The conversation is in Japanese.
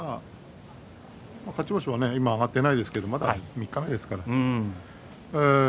勝ち星は今上がっていないですけれども、まだ三日目ですから。